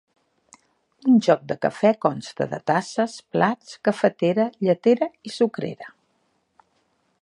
Un joc de cafè consta de tasses, plats, cafetera, lletera i sucrera.